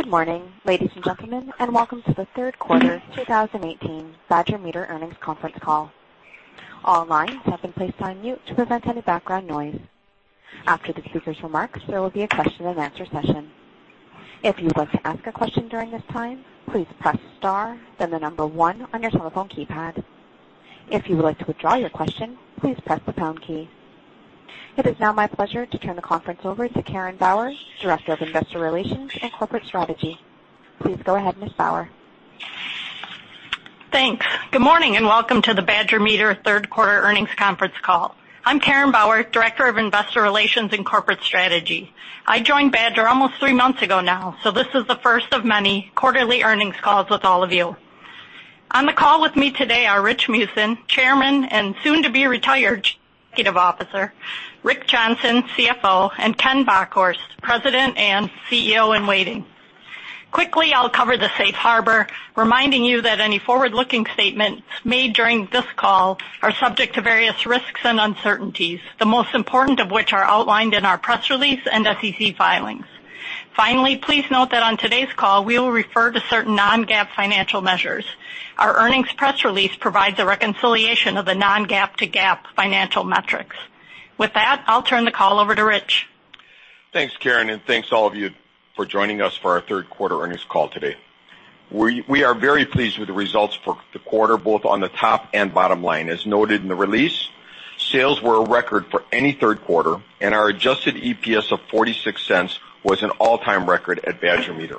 Good morning, ladies and gentlemen, and welcome to the third quarter 2018 Badger Meter earnings conference call. All lines have been placed on mute to prevent any background noise. After the speakers' remarks, there will be a question-and-answer session. If you'd like to ask a question during this time, please press star, then the number 1 on your telephone keypad. If you would like to withdraw your question, please press the pound key. It is now my pleasure to turn the conference over to Karen Bauer, Director of Investor Relations and Corporate Strategy. Please go ahead, Ms. Bauer. Thanks. Good morning and welcome to the Badger Meter third quarter earnings conference call. I'm Karen Bauer, Director of Investor Relations and Corporate Strategy. I joined Badger almost 3 months ago now, so this is the 1st of many quarterly earnings calls with all of you. On the call with me today are Rich Meeusen, Chairman and soon to be retired Chief Executive Officer, Rick Johnson, CFO, and Ken Bockhorst, President and CEO in waiting. Quickly, I'll cover the safe harbor, reminding you that any forward-looking statements made during this call are subject to various risks and uncertainties, the most important of which are outlined in our press release and SEC filings. Finally, please note that on today's call, we will refer to certain non-GAAP financial measures. Our earnings press release provides a reconciliation of the non-GAAP to GAAP financial metrics. With that, I'll turn the call over to Rich. Thanks, Karen, and thanks all of you for joining us for our third quarter earnings call today. We are very pleased with the results for the quarter, both on the top and bottom line. As noted in the release, sales were a record for any third quarter, and our adjusted EPS of $0.46 was an all-time record at Badger Meter.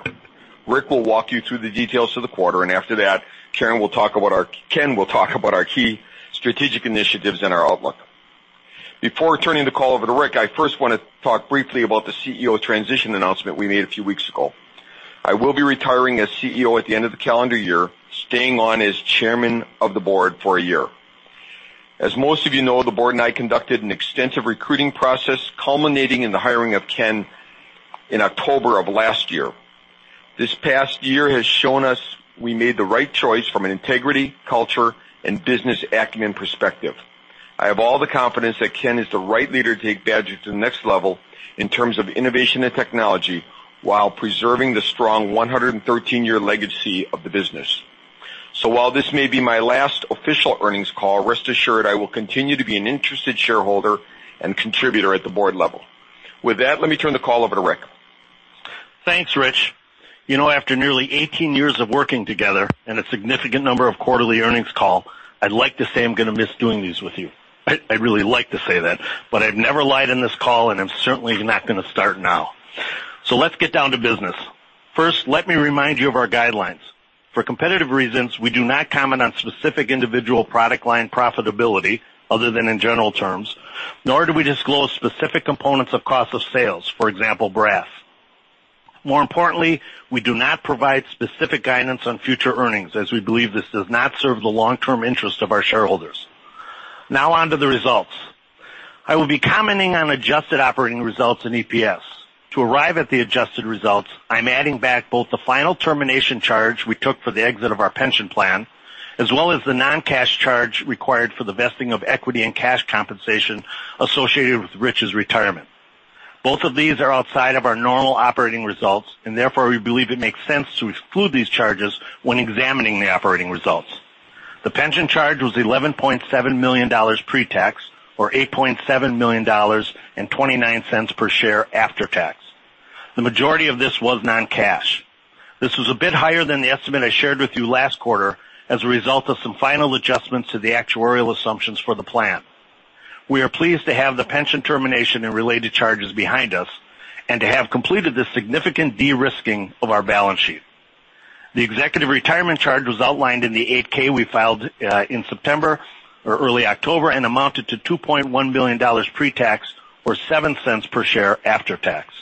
Rick will walk you through the details of the quarter, and after that, Ken will talk about our key strategic initiatives and our outlook. Before turning the call over to Rick, I first want to talk briefly about the CEO transition announcement we made a few weeks ago. I will be retiring as CEO at the end of the calendar year, staying on as chairman of the board for 1 year. As most of you know, the board and I conducted an extensive recruiting process, culminating in the hiring of Ken in October of last year. This past year has shown us we made the right choice from an integrity, culture, and business acumen perspective. I have all the confidence that Ken is the right leader to take Badger to the next level in terms of innovation and technology while preserving the strong 113-year legacy of the business. While this may be my last official earnings call, rest assured I will continue to be an interested shareholder and contributor at the board level. With that, let me turn the call over to Rich. Thanks, Rich. After nearly 18 years of working together and a significant number of quarterly earnings calls, I'd like to say I'm going to miss doing these with you. I'd really like to say that, but I've never lied in this call, and I'm certainly not going to start now. Let's get down to business. First, let me remind you of our guidelines. For competitive reasons, we do not comment on specific individual product line profitability, other than in general terms, nor do we disclose specific components of cost of sales, for example, brass. More importantly, we do not provide specific guidance on future earnings, as we believe this does not serve the long-term interest of our shareholders. Now on to the results. I will be commenting on adjusted operating results in EPS. To arrive at the adjusted results, I'm adding back both the final termination charge we took for the exit of our pension plan, as well as the non-cash charge required for the vesting of equity and cash compensation associated with Rich's retirement. Both of these are outside of our normal operating results, and therefore, we believe it makes sense to exclude these charges when examining the operating results. The pension charge was $11.7 million pre-tax or $8.7 million and $0.29 per share after tax. The majority of this was non-cash. This was a bit higher than the estimate I shared with you last quarter as a result of some final adjustments to the actuarial assumptions for the plan. We are pleased to have the pension termination and related charges behind us and to have completed the significant de-risking of our balance sheet. The executive retirement charge was outlined in the 8-K we filed in September or early October and amounted to $2.1 million pre-tax or $0.07 per share after tax.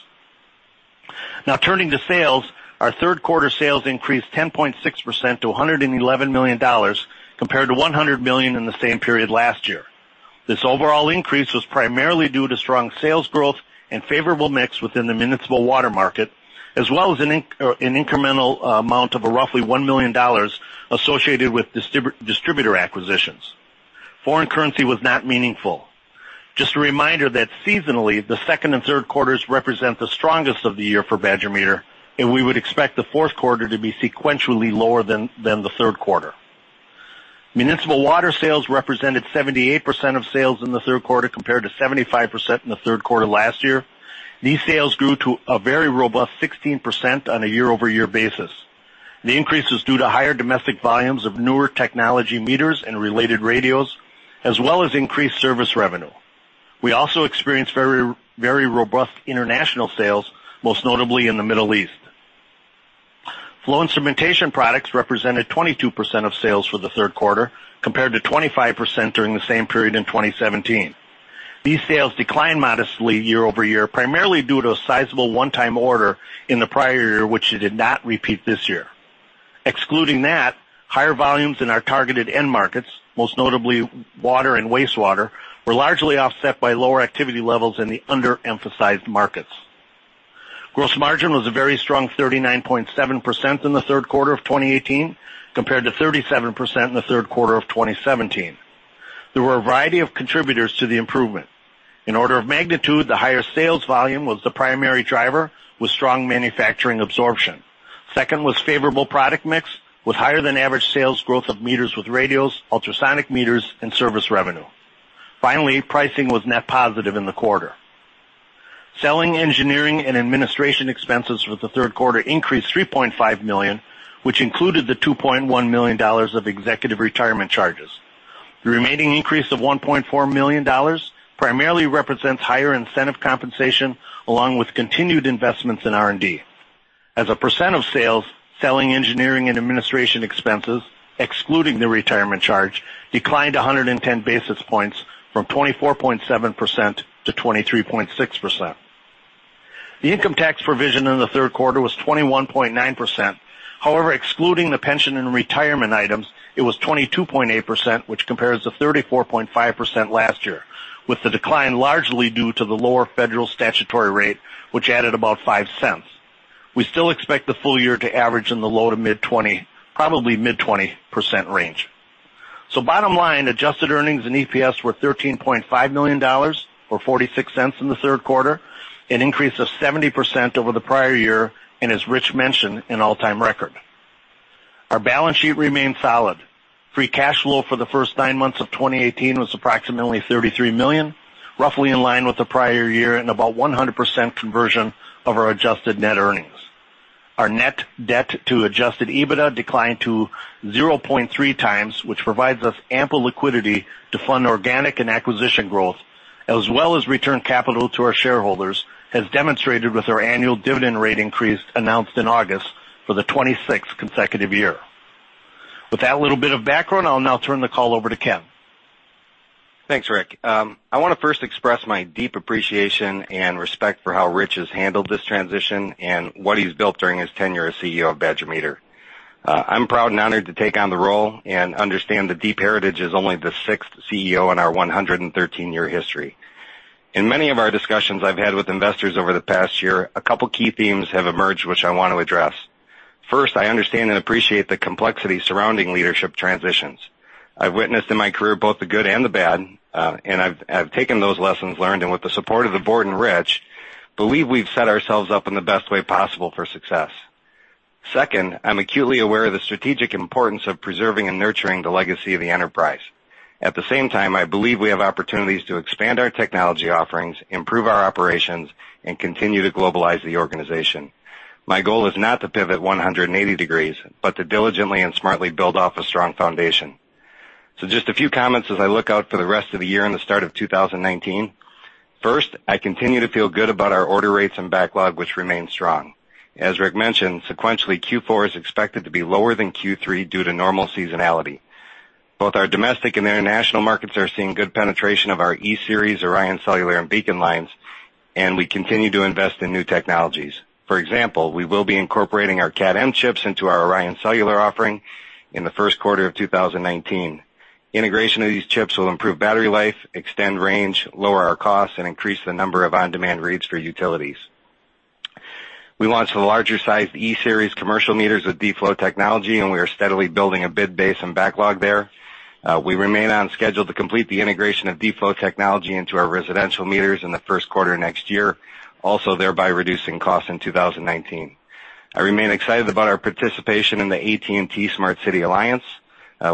Now turning to sales. Our third quarter sales increased 10.6% to $111 million compared to $100 million in the same period last year. This overall increase was primarily due to strong sales growth and favorable mix within the municipal water market, as well as an incremental amount of roughly $1 million associated with distributor acquisitions. Foreign currency was not meaningful. Just a reminder that seasonally, the second and third quarters represent the strongest of the year for Badger Meter, and we would expect the fourth quarter to be sequentially lower than the third quarter. Municipal water sales represented 78% of sales in the third quarter compared to 75% in the third quarter last year. These sales grew to a very robust 16% on a year-over-year basis. The increase is due to higher domestic volumes of newer technology meters and related radios, as well as increased service revenue. We also experienced very robust international sales, most notably in the Middle East. Flow instrumentation products represented 22% of sales for the third quarter compared to 25% during the same period in 2017. These sales declined modestly year-over-year, primarily due to a sizable one-time order in the prior year, which it did not repeat this year. Excluding that, higher volumes in our targeted end markets, most notably water and wastewater, were largely offset by lower activity levels in the underemphasized markets. Gross margin was a very strong 39.7% in the third quarter of 2018 compared to 37% in the third quarter of 2017. There were a variety of contributors to the improvement. In order of magnitude, the higher sales volume was the primary driver, with strong manufacturing absorption. Second was favorable product mix, with higher than average sales growth of meters with radios, ultrasonic meters, and service revenue. Finally, pricing was net positive in the quarter. Selling, engineering, and administration expenses for the third quarter increased $3.5 million, which included the $2.1 million of executive retirement charges. The remaining increase of $1.4 million primarily represents higher incentive compensation along with continued investments in R&D. As a percent of sales, selling, engineering, and administration expenses, excluding the retirement charge, declined 110 basis points from 24.7% to 23.6%. The income tax provision in the third quarter was 21.9%. Excluding the pension and retirement items, it was 22.8%, which compares to 34.5% last year, with the decline largely due to the lower federal statutory rate, which added about $0.05. We still expect the full year to average in the low to mid-20, probably mid-20% range. Bottom line, adjusted earnings and EPS were $13.5 million, or $0.46 in the third quarter, an increase of 70% over the prior year, and as Rich mentioned, an all-time record. Our balance sheet remained solid. Free cash flow for the first nine months of 2018 was approximately $33 million, roughly in line with the prior year, and about 100% conversion of our adjusted net earnings. Our net debt to adjusted EBITDA declined to 0.3 times, which provides us ample liquidity to fund organic and acquisition growth, as well as return capital to our shareholders, as demonstrated with our annual dividend rate increase announced in August for the 26th consecutive year. With that little bit of background, I'll now turn the call over to Ken. Thanks, Rick. I want to first express my deep appreciation and respect for how Rich has handled this transition and what he's built during his tenure as CEO of Badger Meter. I'm proud and honored to take on the role and understand the deep heritage as only the sixth CEO in our 113-year history. In many of our discussions I've had with investors over the past year, a couple key themes have emerged, which I want to address. First, I understand and appreciate the complexity surrounding leadership transitions. I've witnessed in my career both the good and the bad, and I've taken those lessons learned, and with the support of the board and Rich, believe we've set ourselves up in the best way possible for success. Second, I'm acutely aware of the strategic importance of preserving and nurturing the legacy of the enterprise. At the same time, I believe we have opportunities to expand our technology offerings, improve our operations, and continue to globalize the organization. My goal is not to pivot 180 degrees, but to diligently and smartly build off a strong foundation. Just a few comments as I look out for the rest of the year and the start of 2019. First, I continue to feel good about our order rates and backlog, which remain strong. As Rick mentioned, sequentially, Q4 is expected to be lower than Q3 due to normal seasonality. Both our domestic and international markets are seeing good penetration of our E-Series ORION Cellular and BEACON lines, and we continue to invest in new technologies. For example, we will be incorporating our Cat M chips into our ORION Cellular offering in the first quarter of 2019. Integration of these chips will improve battery life, extend range, lower our costs, and increase the number of on-demand reads for utilities. We launched the larger sized E-Series commercial meters with D-Flow technology, and we are steadily building a bid base and backlog there. We remain on schedule to complete the integration of D-Flow technology into our residential meters in the first quarter next year, also thereby reducing costs in 2019. I remain excited about our participation in the AT&T Smart Cities Alliance.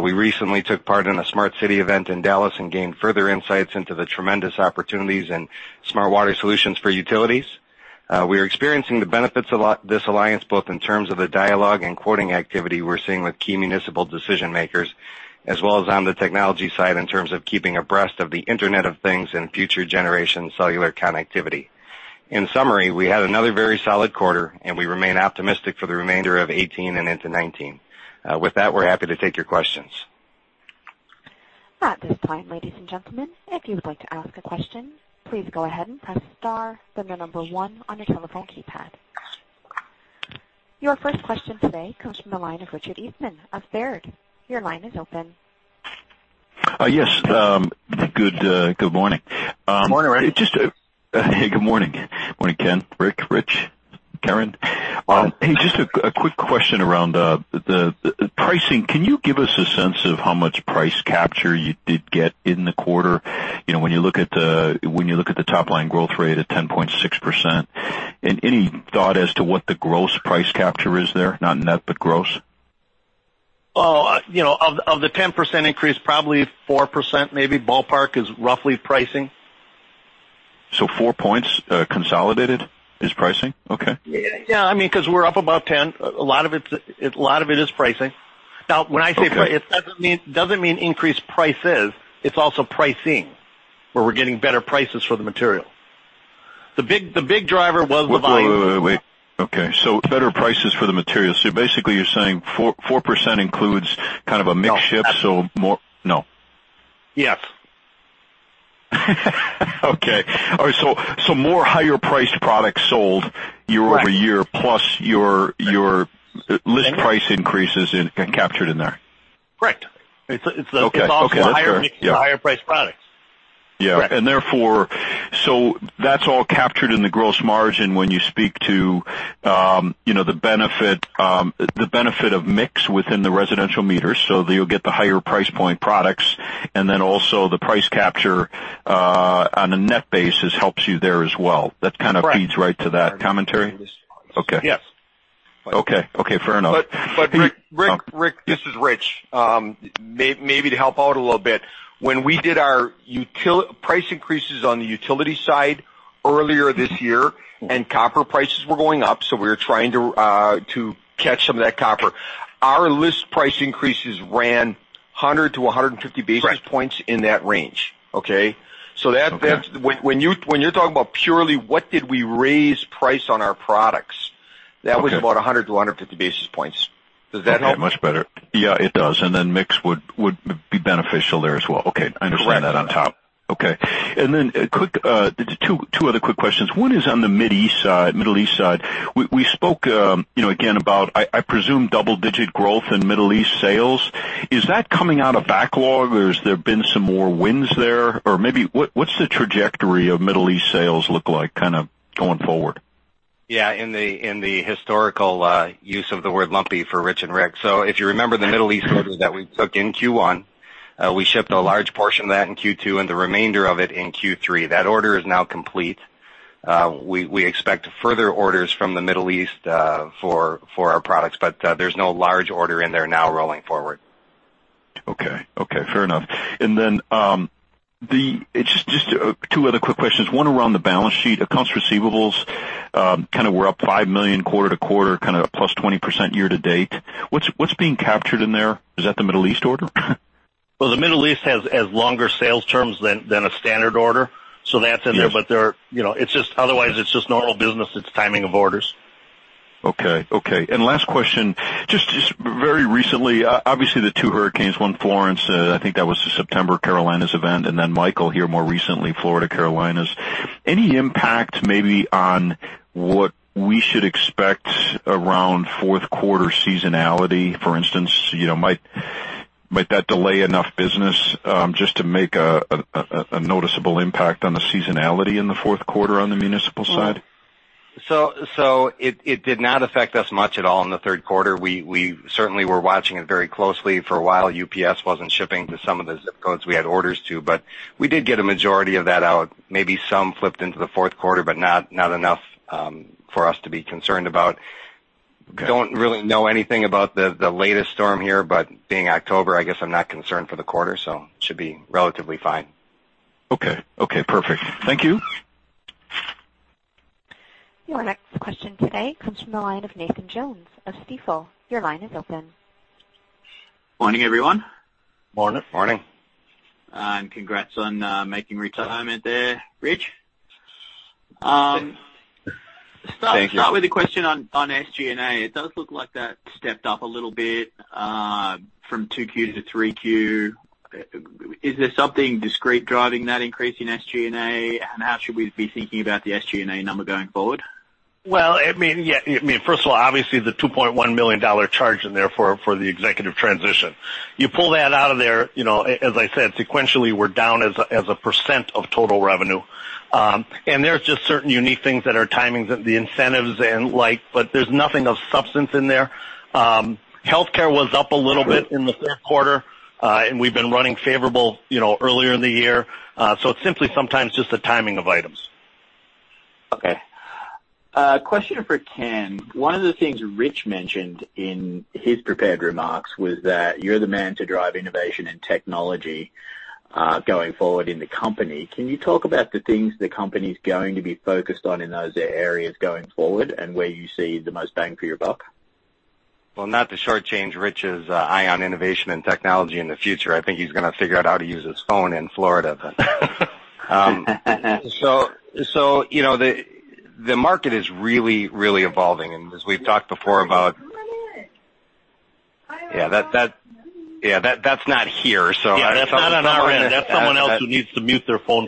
We recently took part in a Smart City event in Dallas and gained further insights into the tremendous opportunities in smart water solutions for utilities. We are experiencing the benefits of this alliance both in terms of the dialogue and quoting activity we're seeing with key municipal decision-makers, as well as on the technology side in terms of keeping abreast of the Internet of Things and future generation cellular connectivity. In summary, we had another very solid quarter, and we remain optimistic for the remainder of 2018 and into 2019. With that, we're happy to take your questions. At this time, ladies and gentlemen, if you'd like to ask a question, please go ahead and press star, then the number one on your telephone keypad. Your first question today comes from the line of Richard Eastman of Baird. Your line is open. Yes. Good morning. Morning, Richard. Hey, good morning. Morning, Ken, Rick, Rich, Karen. Hey, just a quick question around the pricing. Can you give us a sense of how much price capture you did get in the quarter? When you look at the top line growth rate at 10.6%, any thought as to what the gross price capture is there? Not net, but gross. Of the 10% increase, probably 4%, maybe, ballpark, is roughly pricing. Four points consolidated is pricing? Okay. Yeah, because we're up about 10. A lot of it is pricing. Now, when I say- Okay it doesn't mean increased prices. It's also pricing, where we're getting better prices for the material. The big driver was the volume. Wait. Okay. Better prices for the materials. Basically, you're saying 4% includes kind of a mix shift, more No. Yes. Okay. All right. More higher-priced products sold year-over-year- Right plus your list price increases get captured in there. Correct. Okay. It's also a higher mix of higher-priced products. Yeah. Therefore, that's all captured in the gross margin when you speak to the benefit of mix within the residential meters. That you'll get the higher price point products. Also the price capture on a net basis helps you there as well. Correct. That kind of feeds right to that commentary? Yes. Okay. Fair enough. Rick, this is Rich. Maybe to help out a little bit. When we did our price increases on the utility side earlier this year, copper prices were going up, we were trying to catch some of that copper. Our list price increases ran 100-150 basis points- Right in that range. Okay. Okay. When you're talking about purely what did we raise price on our products- Okay that was about 100 to 150 basis points. Does that help? Okay. Much better. Yeah, it does. Then mix would be beneficial there as well. Okay. Correct. I understand that on top. Okay. Then two other quick questions. One is on the Middle East side. We spoke, again, about, I presume, double-digit growth in Middle East sales. Is that coming out of backlog, or has there been some more wins there? Maybe, what's the trajectory of Middle East sales look like going forward? Yeah, in the historical use of the word lumpy for Rich and Rick. If you remember the Middle East order that we took in Q1, we shipped a large portion of that in Q2 and the remainder of it in Q3. That order is now complete. We expect further orders from the Middle East for our products, but there's no large order in there now rolling forward. Okay. Fair enough. Then, just two other quick questions. One around the balance sheet. Accounts receivables were up $5 million quarter to quarter, plus 20% year to date. What's being captured in there? Is that the Middle East order? The Middle East has longer sales terms than a standard order. That's in there. Yes. Otherwise, it's just normal business. It's timing of orders. Okay. Last question, just very recently, obviously the two hurricanes, one Hurricane Florence, I think that was the September Carolinas event, then Hurricane Michael here more recently, Florida, Carolinas. Any impact maybe on what we should expect around fourth quarter seasonality? For instance, might that delay enough business just to make a noticeable impact on the seasonality in the fourth quarter on the municipal side? It did not affect us much at all in the third quarter. We certainly were watching it very closely for a while. UPS wasn't shipping to some of the zip codes we had orders to, but we did get a majority of that out. Maybe some flipped into the fourth quarter, but not enough for us to be concerned about. Okay. Don't really know anything about the latest storm here, being October, I guess I'm not concerned for the quarter, so it should be relatively fine. Okay. Perfect. Thank you. Your next question today comes from the line of Nathan Jones of Stifel. Your line is open. Morning, everyone. Morning. Morning. Congrats on making retirement there, Rick. Thank you. Start with a question on SG&A. It does look like that stepped up a little bit from 2Q to 3Q. Is there something discrete driving that increase in SG&A, and how should we be thinking about the SG&A number going forward? First of all, obviously the $2.1 million charge in there for the executive transition. You pull that out of there, as I said, sequentially, we're down as a % of total revenue. There's just certain unique things that are timings, the incentives and like, but there's nothing of substance in there. Healthcare was up a little bit in the third quarter, and we've been running favorable earlier in the year. It's simply sometimes just the timing of items. Okay. A question for Ken. One of the things Rich mentioned in his prepared remarks was that you're the man to drive innovation and technology going forward in the company. Can you talk about the things the company's going to be focused on in those areas going forward, and where you see the most bang for your buck? Well, not to shortchange Rich's eye on innovation and technology in the future. I think he's going to figure out how to use his phone in Florida then. The market is really evolving, and as we've talked before about. Yeah, that's not on our end. That's someone else who needs to mute their phone.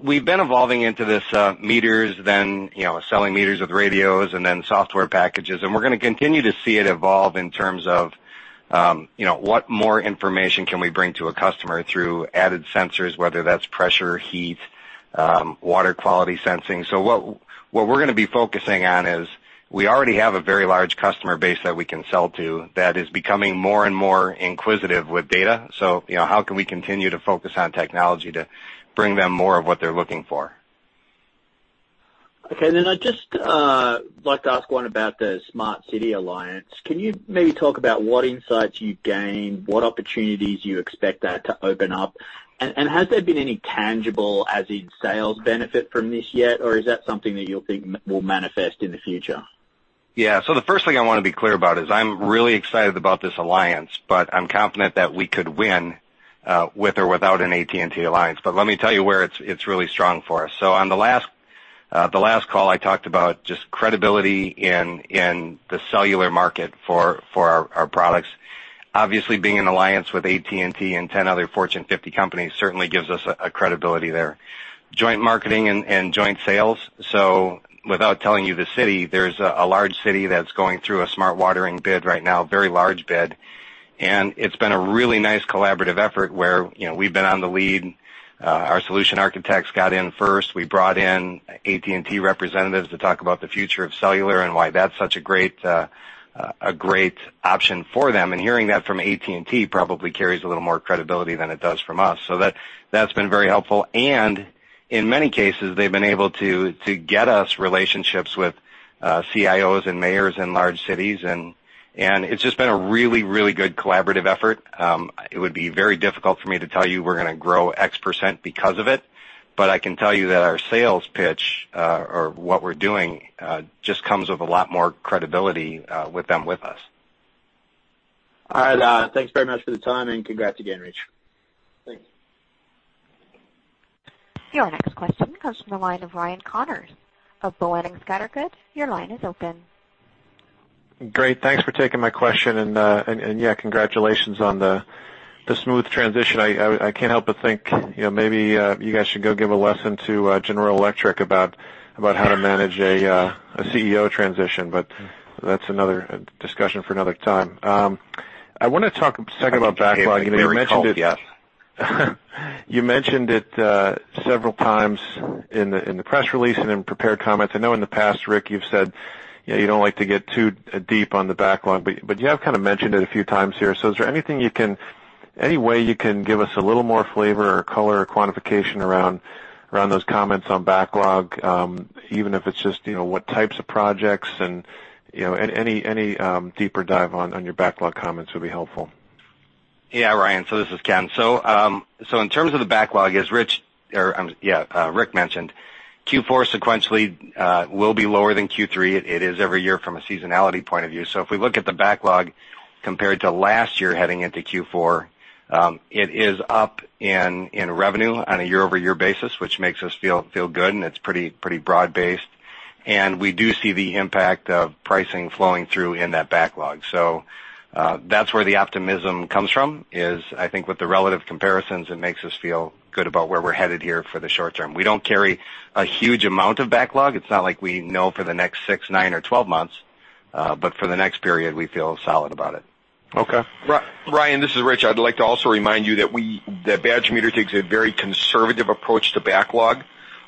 We've been evolving into this meters, then selling meters with radios and then software packages, and we're going to continue to see it evolve in terms of what more information can we bring to a customer through added sensors, whether that's pressure, heat, water quality sensing. What we're going to be focusing on is we already have a very large customer base that we can sell to that is becoming more and more inquisitive with data. How can we continue to focus on technology to bring them more of what they're looking for? I'd just like to ask one about the Smart City Alliance. Can you maybe talk about what insights you gained, what opportunities you expect that to open up, and has there been any tangible, as in sales benefit from this yet, or is that something that you think will manifest in the future? The first thing I want to be clear about is I'm really excited about this alliance, but I'm confident that we could win with or without an AT&T Alliance. Let me tell you where it's really strong for us. On the last call, I talked about just credibility in the cellular market for our products. Obviously, being in alliance with AT&T and 10 other Fortune 50 companies certainly gives us a credibility there. Joint marketing and joint sales. Without telling you the city, there's a large city that's going through a smart watering bid right now, very large bid. It's been a really nice collaborative effort where we've been on the lead. Our solution architects got in first. We brought in AT&T representatives to talk about the future of cellular and why that's such a great option for them. Hearing that from AT&T probably carries a little more credibility than it does from us. That's been very helpful. In many cases, they've been able to get us relationships with CIOs and mayors in large cities, and it's just been a really good collaborative effort. It would be very difficult for me to tell you we're going to grow X% because of it, but I can tell you that our sales pitch, or what we're doing, just comes with a lot more credibility with them with us. All right. Thanks very much for the time, congrats again, Rich. Thank you. Your next question comes from the line of Ryan Connors of Boenning & Scattergood. Your line is open. Great. Thanks for taking my question. Yeah, congratulations on the smooth transition. I can't help but think maybe you guys should go give a lesson to General Electric about how to manage a CEO transition, that's another discussion for another time. I want to talk a second about backlog. Very helpful. Yes. You mentioned it several times in the press release and in prepared comments. I know in the past, Rick, you've said you don't like to get too deep on the backlog, but you have kind of mentioned it a few times here. Is there any way you can give us a little more flavor or color or quantification around those comments on backlog, even if it's just what types of projects and any deeper dive on your backlog comments would be helpful. Ryan. This is Ken. In terms of the backlog, as Rick mentioned, Q4 sequentially will be lower than Q3. It is every year from a seasonality point of view. If we look at the backlog compared to last year heading into Q4, it is up in revenue on a year-over-year basis, which makes us feel good, and it's pretty broad-based. We do see the impact of pricing flowing through in that backlog. That's where the optimism comes from, is I think with the relative comparisons, it makes us feel good about where we're headed here for the short term. We don't carry a huge amount of backlog. It's not like we know for the next six, nine, or 12 months, but for the next period, we feel solid about it. Okay. Ryan, this is Rich. I'd like to also remind you that Badger Meter takes a very conservative approach to backlog.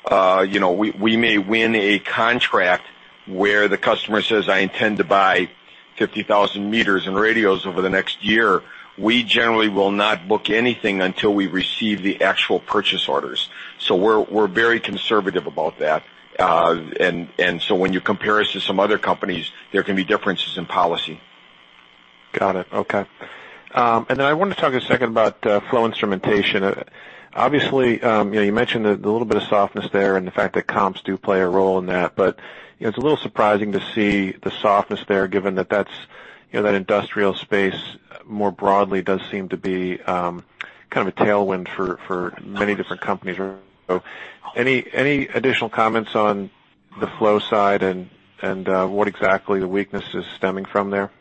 We may win a contract where the customer says, "I intend to buy 50,000 meters and radios over the next year." We generally will not book anything until we receive the actual purchase orders. We're very conservative about that. When you compare us to some other companies, there can be differences in policy. Got it. Okay. I wanted to talk a second about flow instrumentation. Obviously, you mentioned that the little bit of softness there and the fact that comps do play a role in that, but it's a little surprising to see the softness there, given that industrial space more broadly does seem to be kind of a tailwind for many different companies. Any additional comments on the flow side and what exactly the weakness is stemming from there?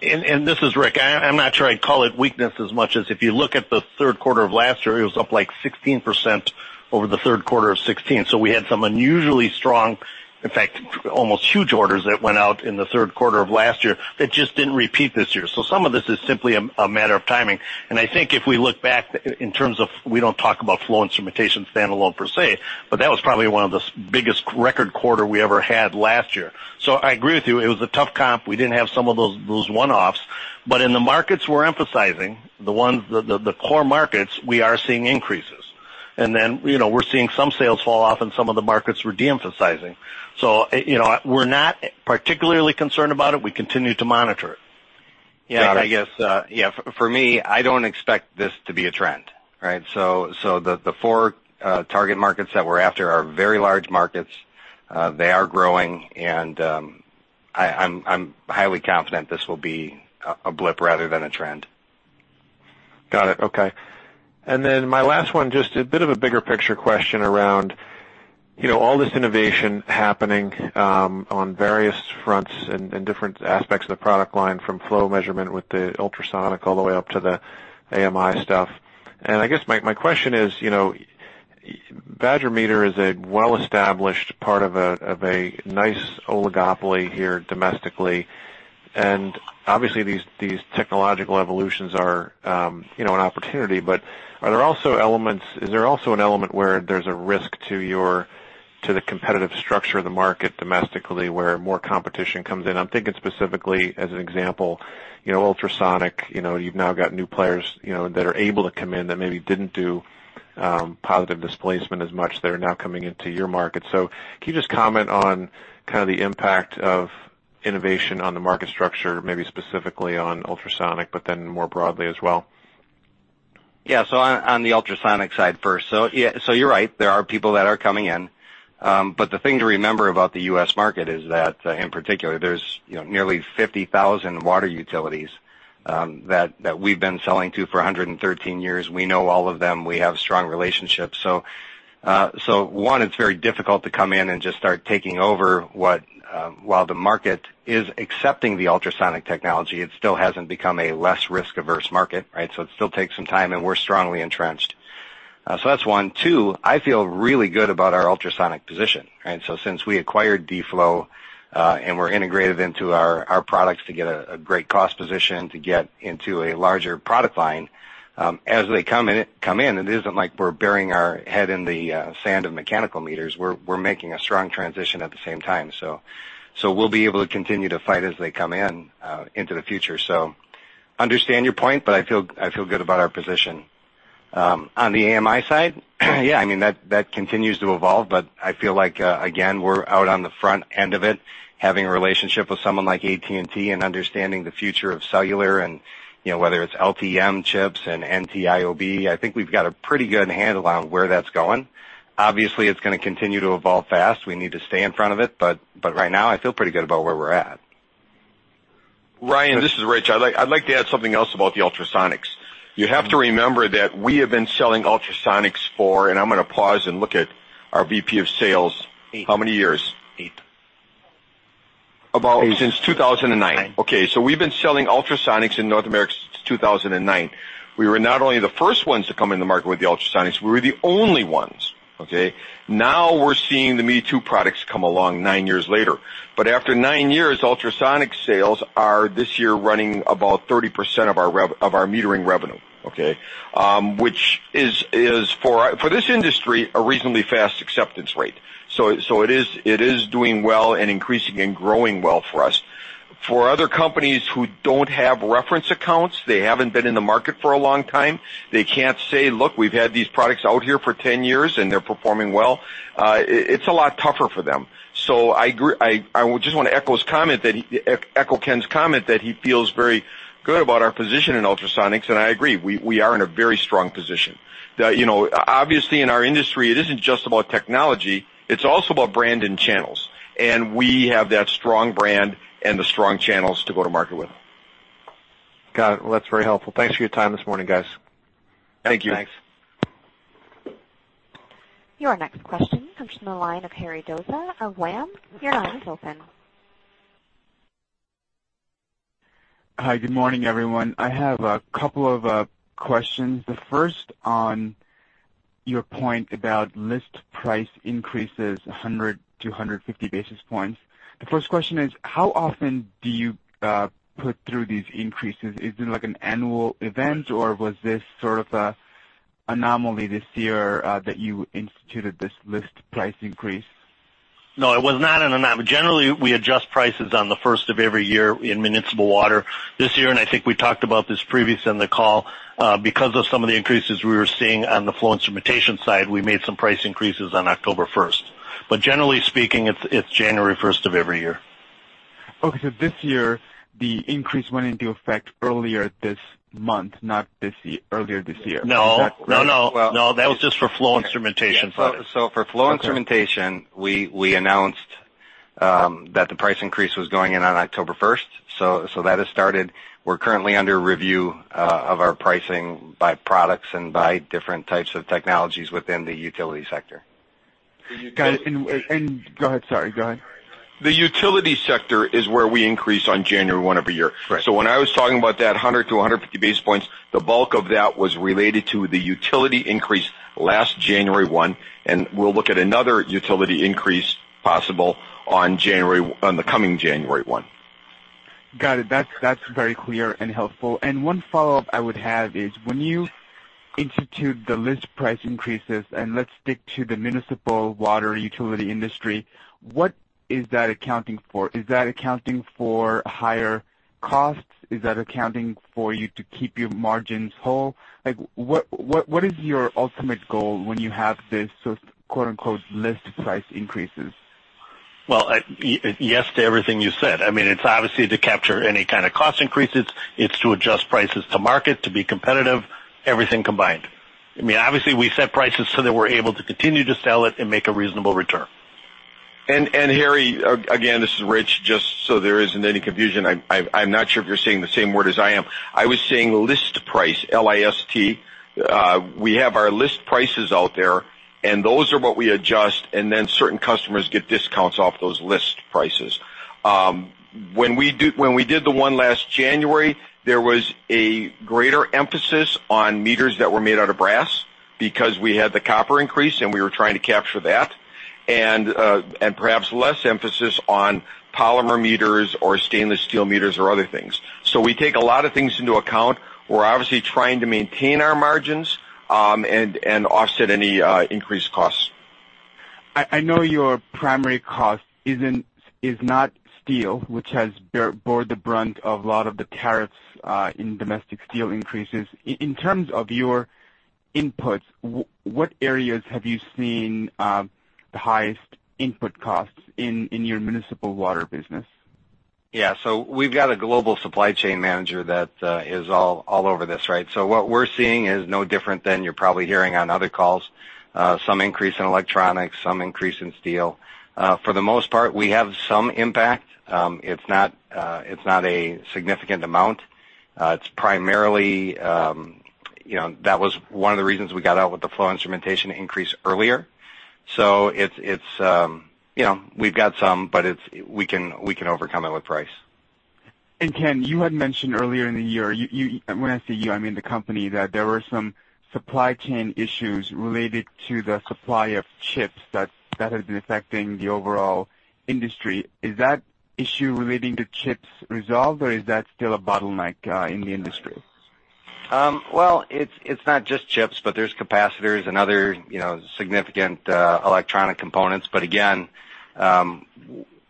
This is Rick. I'm not sure I'd call it weakness as much as if you look at the third quarter of last year, it was up like 16% over the third quarter of 2016. We had some unusually strong, in fact, almost huge orders that went out in the third quarter of last year that just didn't repeat this year. Some of this is simply a matter of timing. I think if we look back in terms of, we don't talk about flow instrumentation standalone per se, but that was probably one of the biggest record quarter we ever had last year. I agree with you. It was a tough comp. We didn't have some of those one-offs. In the markets we're emphasizing, the core markets, we are seeing increases. We're seeing some sales fall off in some of the markets we're de-emphasizing. We're not particularly concerned about it. We continue to monitor it. I guess for me, I don't expect this to be a trend. Right? The four target markets that we're after are very large markets. They are growing, and I'm highly confident this will be a blip rather than a trend. Got it. Okay. My last one, just a bit of a bigger picture question around all this innovation happening on various fronts and different aspects of the product line from flow measurement with the ultrasonic all the way up to the AMI stuff. I guess my question is, Badger Meter is a well-established part of a nice oligopoly here domestically. Obviously, these technological evolutions are an opportunity. Is there also an element where there's a risk to the competitive structure of the market domestically, where more competition comes in? I'm thinking specifically as an example, ultrasonic, you've now got new players that are able to come in that maybe didn't do positive displacement as much. They're now coming into your market. Can you just comment on kind of the impact of innovation on the market structure, maybe specifically on ultrasonic, but then more broadly as well? Yeah. On the ultrasonic side first. You're right, there are people that are coming in. The thing to remember about the U.S. market is that, in particular, there's nearly 50,000 water utilities that we've been selling to for 113 years. We know all of them. We have strong relationships. One, it's very difficult to come in and just start taking over while the market is accepting the ultrasonic technology. It still hasn't become a less risk-averse market, right? It still takes some time, and we're strongly entrenched. That's one. Two, I feel really good about our ultrasonic position. Since we acquired D-Flow Technology, and we're integrated into our products to get a great cost position, to get into a larger product line, as they come in, it isn't like we're burying our head in the sand of mechanical meters. We're making a strong transition at the same time. We'll be able to continue to fight as they come in, into the future. Understand your point, but I feel good about our position. On the AMI side, yeah, that continues to evolve, but I feel like, again, we're out on the front end of it, having a relationship with someone like AT&T and understanding the future of cellular and whether it's LTE-M chips and NB-IoT, I think we've got a pretty good handle on where that's going. Obviously, it's going to continue to evolve fast. We need to stay in front of it. Right now, I feel pretty good about where we're at. Ryan, this is Rich. I'd like to add something else about the ultrasonics. You have to remember that we have been selling ultrasonics for and I'm going to pause and look at our VP of sales. How many years? Eight. About since 2009. Okay. We've been selling ultrasonics in North America since 2009. We were not only the first ones to come in the market with the ultrasonics, we were the only ones. Okay? Now we're seeing the me-too products come along nine years later. After nine years, ultrasonic sales are this year running about 30% of our metering revenue. Okay? Which is, for this industry, a reasonably fast acceptance rate. It is doing well and increasing and growing well for us. For other companies who don't have reference accounts, they haven't been in the market for a long time. They can't say, "Look, we've had these products out here for 10 years, and they're performing well." It's a lot tougher for them. I just want to echo Ken's comment that he feels very good about our position in ultrasonics, and I agree. We are in a very strong position. Obviously, in our industry, it isn't just about technology, it's also about brand and channels. We have that strong brand and the strong channels to go to market with. Got it. Well, that's very helpful. Thanks for your time this morning, guys. Thank you. Thanks. Your next question comes from the line of Hasan Doza of WAM. Your line is open. Hi, good morning, everyone. I have a couple of questions. The first on your point about list price increases, 100-150 basis points. The first question is, how often do you put through these increases? Is it like an annual event, or was this sort of an anomaly this year that you instituted this list price increase? No, it was not an anomaly. Generally, we adjust prices on the first of every year in municipal water. This year, and I think we talked about this previous in the call, because of some of the increases we were seeing on the flow instrumentation side, we made some price increases on October 1st. Generally speaking, it's January 1st of every year. Okay. This year the increase went into effect earlier this month, not earlier this year. No. Is that correct? No, that was just for flow instrumentation. For flow instrumentation, we announced that the price increase was going in on October 1st. That has started. We're currently under review of our pricing by products and by different types of technologies within the utility sector. Got it. Go ahead, sorry. Go ahead. The utility sector is where we increase on January 1 every year. Right. When I was talking about that 100 to 150 basis points, the bulk of that was related to the utility increase last January 1. We'll look at another utility increase possible on the coming January 1. Got it. That's very clear and helpful. One follow-up I would have is when you institute the list price increases, let's stick to the municipal water utility industry, what is that accounting for? Is that accounting for higher costs? Is that accounting for you to keep your margins whole? What is your ultimate goal when you have this sort of quote-unquote, "list price increases"? Well, yes to everything you said. It's obviously to capture any kind of cost increases. It's to adjust prices to market, to be competitive, everything combined. Obviously, we set prices so that we're able to continue to sell it and make a reasonable return. Hasan, again, this is Rich, just so there isn't any confusion. I'm not sure if you're saying the same word as I am. I was saying list price, L-I-S-T. We have our list prices out there, and those are what we adjust, and then certain customers get discounts off those list prices. When we did the one last January, there was a greater emphasis on meters that were made out of brass because we had the copper increase, and we were trying to capture that, and perhaps less emphasis on polymer meters or stainless steel meters or other things. We take a lot of things into account. We're obviously trying to maintain our margins, and offset any increased costs. I know your primary cost is not steel, which has bore the brunt of a lot of the tariffs in domestic steel increases. In terms of your inputs, what areas have you seen the highest input costs in your municipal water business? Yeah. We've got a global supply chain manager that is all over this, right? What we're seeing is no different than you're probably hearing on other calls. Some increase in electronics, some increase in steel. For the most part, we have some impact. It's not a significant amount. That was one of the reasons we got out with the flow instrumentation increase earlier. We've got some, but we can overcome it with price. Ken, you had mentioned earlier in the year, when I say you, I mean the company, that there were some supply chain issues related to the supply of chips that has been affecting the overall industry. Is that issue relating to chips resolved, or is that still a bottleneck in the industry? Well, it's not just chips, but there's capacitors and other significant electronic components. Again,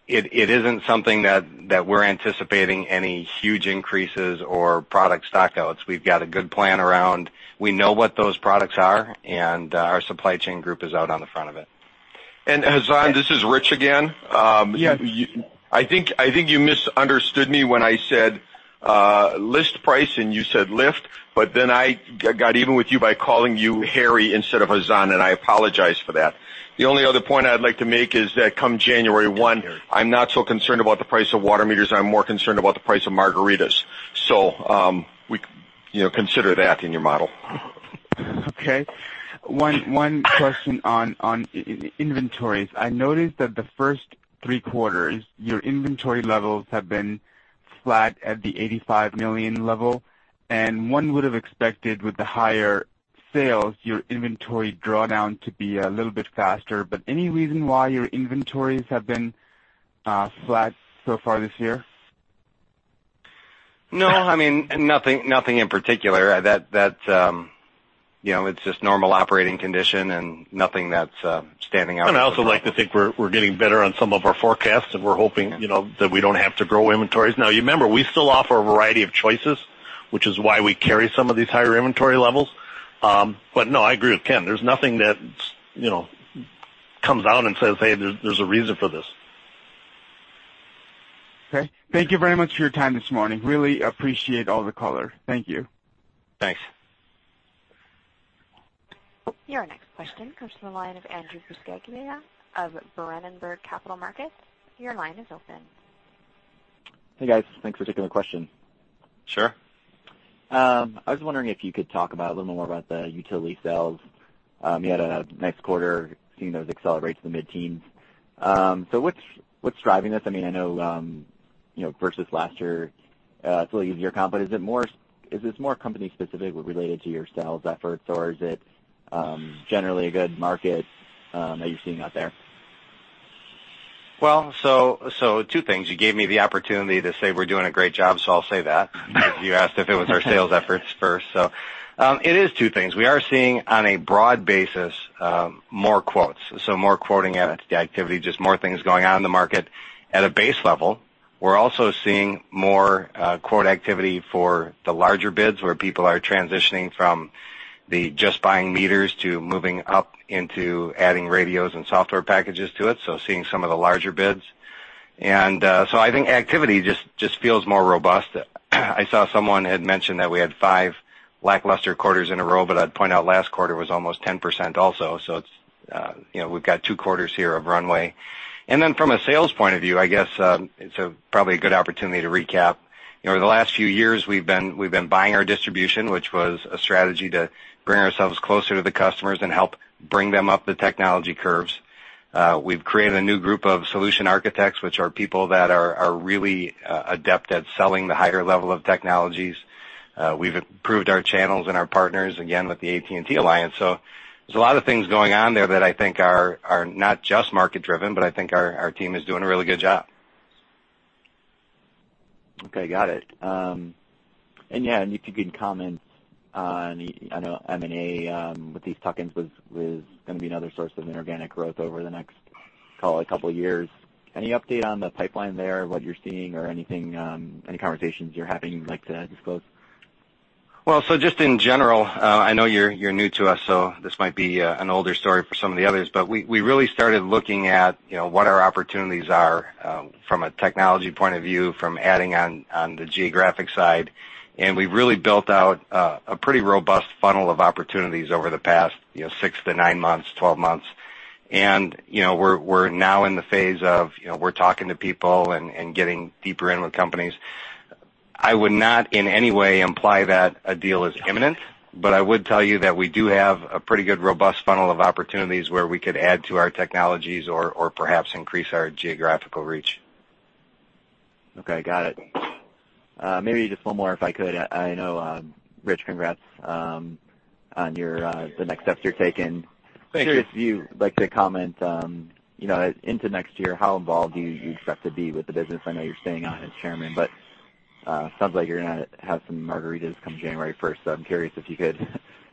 it isn't something that we're anticipating any huge increases or product stock-outs. We've got a good plan around, we know what those products are, and our supply chain group is out on the front of it. Hasan, this is Rich again. Yeah. I think you misunderstood me when I said list price, and you said lift, but then I got even with you by calling you Harry instead of Hasan, and I apologize for that. The only other point I'd like to make is that come January 1, I'm not so concerned about the price of water meters. I'm more concerned about the price of margaritas. Consider that in your model. Okay. One question on inventories. I noticed that the first three quarters, your inventory levels have been flat at the $85 million level, and one would have expected with the higher sales, your inventory drawdown to be a little bit faster. Any reason why your inventories have been flat so far this year? No. Nothing in particular. It's just normal operating condition and nothing that's standing out. I also like to think we're getting better on some of our forecasts, and we're hoping that we don't have to grow inventories. Now, remember, we still offer a variety of choices, which is why we carry some of these higher inventory levels. No, I agree with Ken. There's nothing that comes out and says, "Hey, there's a reason for this. Okay. Thank you very much for your time this morning. Really appreciate all the color. Thank you. Thanks. Your next question comes from the line of Andrew Krill of Berenberg Capital Markets. Your line is open. Hey, guys. Thanks for taking the question. Sure. I was wondering if you could talk about a little more about the utility sales. You had a nice quarter, seeing those accelerate to the mid-teens. What's driving this? I know, versus last year, it's a little easier comp, but is this more company-specific related to your sales efforts, or is it generally a good market that you're seeing out there? Two things. You gave me the opportunity to say we're doing a great job, I'll say that because you asked if it was our sales efforts first. It is two things. We are seeing on a broad basis, more quotes. More quoting activity, just more things going on in the market at a base level. We're also seeing more quote activity for the larger bids, where people are transitioning from the just buying meters to moving up into adding radios and software packages to it, seeing some of the larger bids. I think activity just feels more robust. I saw someone had mentioned that we had five lackluster quarters in a row, I'd point out last quarter was almost 10% also. We've got two quarters here of runway. From a sales point of view, I guess, it's probably a good opportunity to recap. Over the last few years, we've been buying our distribution, which was a strategy to bring ourselves closer to the customers and help bring them up the technology curves. We've created a new group of solution architects, which are people that are really adept at selling the higher level of technologies. We've improved our channels and our partners, again, with the AT&T alliance. There's a lot of things going on there that I think are not just market-driven, but I think our team is doing a really good job. Okay, got it. If you could comment on M&A with these tuck-ins was going to be another source of inorganic growth over the next, call it a couple of years. Any update on the pipeline there, what you're seeing or anything, any conversations you're having you'd like to disclose? Just in general, I know you're new to us, so this might be an older story for some of the others, but we really started looking at what our opportunities are from a technology point of view, from adding on the geographic side, and we really built out a pretty robust funnel of opportunities over the past 6 to 9 months, 12 months. We're now in the phase of we're talking to people and getting deeper in with companies. I would not in any way imply that a deal is imminent, but I would tell you that we do have a pretty good, robust funnel of opportunities where we could add to our technologies or perhaps increase our geographical reach. Okay, got it. Maybe just one more if I could. I know, Rich, congrats on the next steps you're taking. Thank you. Curious if you'd like to comment into next year, how involved do you expect to be with the business? I know you're staying on as Chairman, but sounds like you're going to have some margaritas come January 1st. I'm curious if you could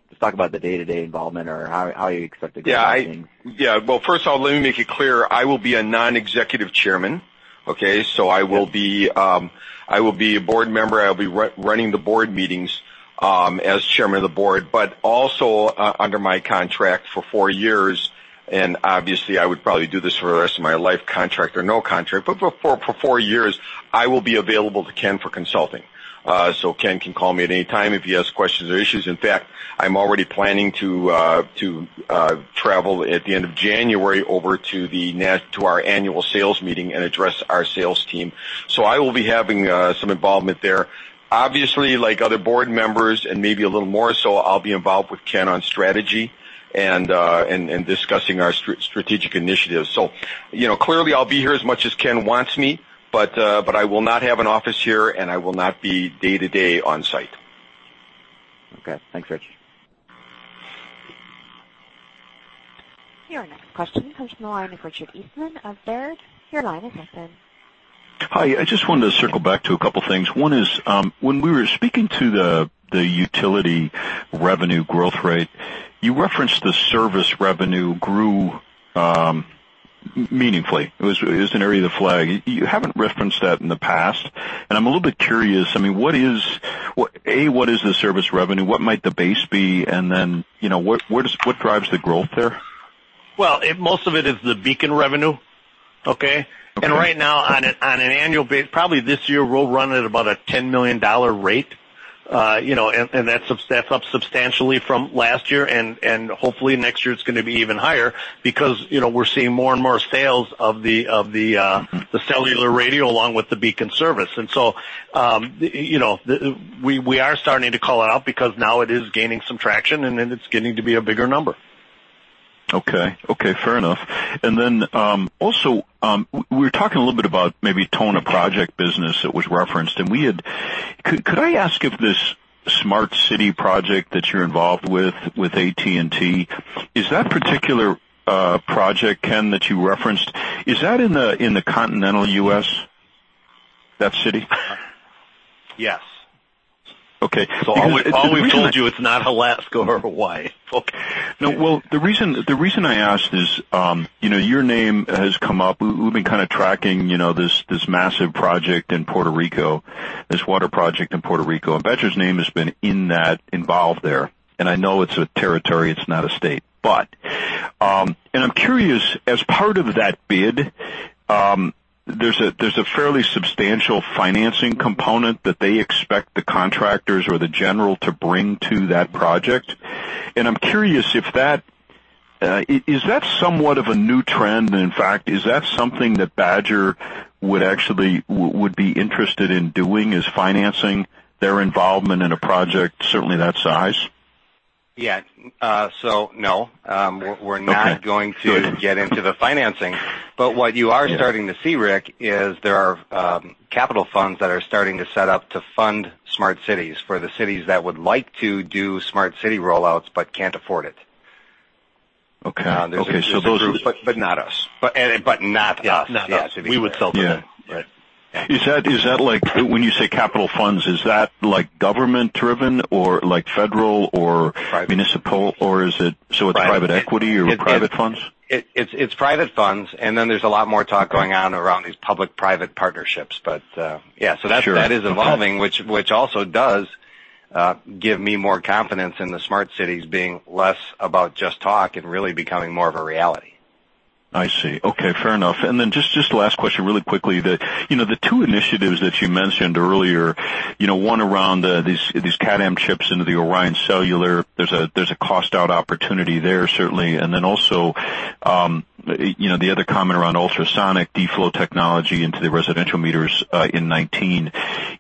just talk about the day-to-day involvement or how you expect it to go. First of all, let me make it clear, I will be a non-executive Chairman. Okay. I will be a board member. I'll be running the board meetings as Chairman of the Board, but also under my contract for four years, and obviously, I would probably do this for the rest of my life, contract or no contract. For four years, I will be available to Ken for consulting. Ken can call me at any time if he has questions or issues. In fact, I'm already planning to travel at the end of January over to our annual sales meeting and address our sales team. I will be having some involvement there. Like other board members and maybe a little more so, I'll be involved with Ken on strategy and discussing our strategic initiatives. Clearly I'll be here as much as Ken wants me, but I will not have an office here, and I will not be day-to-day on site. Okay. Thanks, Rich. Your next question comes from the line of Richard Eastman of Baird. Your line is open. Hi. I just wanted to circle back to a couple things. One is, when we were speaking to the utility revenue growth rate, you referenced the service revenue grew meaningfully. It was an area of the flag. I'm a little bit curious. What is, A, what is the service revenue? What might the base be? What drives the growth there? Well, most of it is the BEACON revenue. Okay? Okay. Right now on an annual basis, probably this year, we'll run at about a $10 million rate. That's up substantially from last year. Hopefully next year it's going to be even higher because we're seeing more and more sales of the cellular radio along with the BEACON service. We are starting to call it out because now it is gaining some traction. It's getting to be a bigger number. Okay. Fair enough. Also, we were talking a little bit about maybe tone of project business that was referenced. Could I ask if this smart city project that you're involved with AT&T, is that particular project, Ken, that you referenced, is that in the continental U.S., that city? Yes. Okay. All we've told you it's not Alaska or Hawaii. Okay. No. The reason I ask is your name has come up. We've been kind of tracking this massive project in Puerto Rico, this water project in Puerto Rico. Badger's name has been in that involved there, and I know it's a territory, it's not a state. I'm curious, as part of that bid, there's a fairly substantial financing component that they expect the contractors or the general to bring to that project. I'm curious if that, is that somewhat of a new trend, and in fact, is that something that Badger would actually be interested in doing, is financing their involvement in a project certainly that size? Yeah. No, we're not going to get into the financing. What you are starting to see, Rick, is there are capital funds that are starting to set up to fund smart cities for the cities that would like to do smart city roll-outs but can't afford it. Okay. There's a group, but not us. Not us. We would sell to them. Yeah. Right. Is that like when you say capital funds, is that like government-driven or like federal or municipal- Private. -or is it private equity or private funds? It's private funds, and then there's a lot more talk going on around these public-private partnerships. Yeah. Sure. Okay. That is evolving, which also does give me more confidence in the smart cities being less about just talk and really becoming more of a reality. I see. Okay, fair enough. Just last question really quickly. The two initiatives that you mentioned earlier, one around these Cat M chips into the ORION Cellular, there's a cost out opportunity there certainly, the other comment around ultrasonic D-Flow technology into the residential meters in 2019.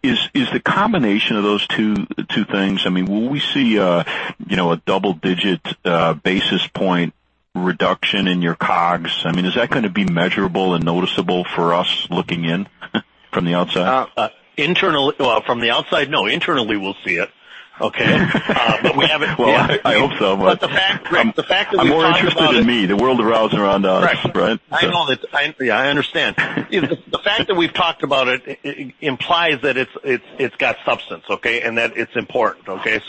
Is the combination of those two things, will we see a double-digit basis point reduction in your COGS? Is that going to be measurable and noticeable for us looking in from the outside? From the outside, no. Internally, we'll see it. Okay? Well, I hope so. The fact that we talked about it. I'm more interested in me, the world revolves around us. Right. Right? I know that. I understand. The fact that we've talked about it implies that it's got substance, okay, and that it's important. Okay? Okay.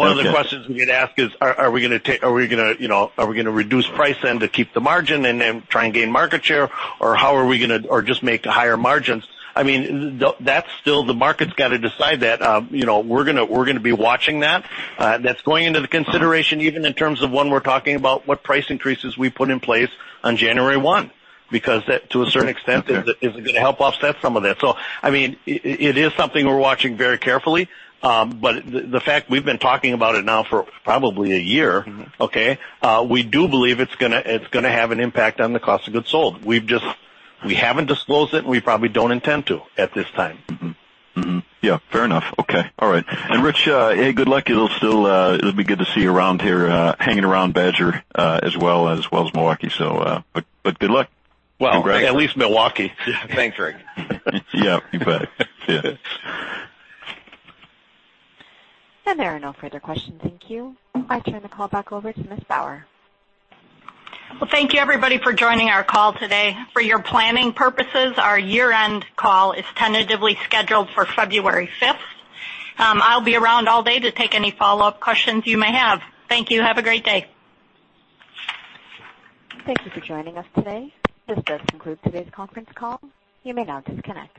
One of the questions we get asked is, are we going to reduce price then to keep the margin and then try and gain market share, or how are we going to just make the higher margins? That's still the market's got to decide that. We're going to be watching that. That's going into the consideration, even in terms of when we're talking about what price increases we put in place on January 1, because that, to a certain extent, is going to help offset some of that. It is something we're watching very carefully. The fact we've been talking about it now for probably a year, okay, we do believe it's going to have an impact on the cost of goods sold. We haven't disclosed it, and we probably don't intend to at this time. Yeah, fair enough. Okay. All right. Rich, good luck. It'll be good to see you around here, hanging around Badger, as well as Milwaukee. Good luck. Well, at least Milwaukee. Thanks, Rick. Yeah, you bet. Yeah. There are no further questions. Thank you. I turn the call back over to Ms. Bauer. Well, thank you everybody for joining our call today. For your planning purposes, our year-end call is tentatively scheduled for February 5th. I'll be around all day to take any follow-up questions you may have. Thank you. Have a great day. Thank you for joining us today. This does conclude today's conference call. You may now disconnect.